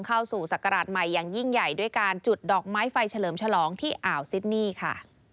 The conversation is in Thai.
เข้าสู่ศักราชใหม่อย่างยิ่งใหญ่ด้วยการจุดดอกไม้ไฟเฉลิมฉลองที่อ่าวซิดนี่ค่ะ